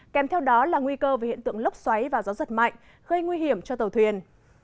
kèm theo đó là nguy cơ về hiện tượng lốc xoáy và gió giật mạnh gây nguy hiểm cho tàu thuyền